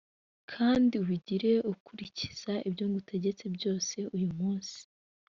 kandi ubigire ukurikiza ibyo ngutegetse byose uyu munsi.